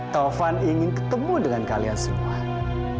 taufan ingin ketemu dengan kalian semuanya